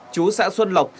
chú xã xuân lộc